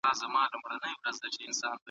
مونږ بايد د نورو د بې عزتۍ څخه ځان وساتو.